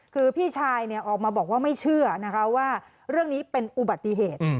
คือพี่ชายออกมาบอกว่าไม่เชื่อนะคะว่าเรื่องนี้เป็นอุบัติเหตุ